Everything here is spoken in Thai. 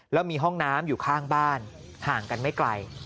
แล้วมีห้องน้ำอยู่ข้างบ้านห่างกันไม่ไกล